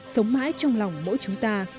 sống mãi trong lòng mỗi chúng ta